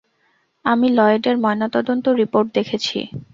আমি লয়েডের ময়নাতদন্ত রিপোর্ট দেখেছি।